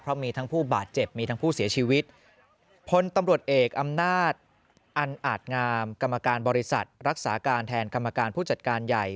เพราะมีทั้งผู้บาดเจ็บมีทั้งผู้เสียชีวิตพลตำรวจเอกอำนาจอันอาจงามกรรมการบริษัทรักษาการแทนกรรมการผู้จัดการใหญ่